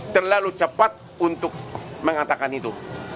terlalu cepat untuk mengatakan itu